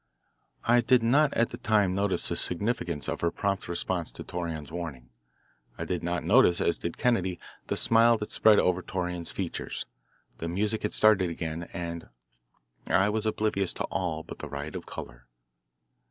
I did not at the time notice the significance of her prompt response to Torreon's warning. I did not notice, as did Kennedy, the smile that spread over Torreon's features. The music had started again, and I was oblivious to all but the riot of colour.